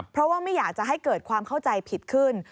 เพราะว่าไม่อยากจะให้เกิดความเข้าใจผิดขึ้น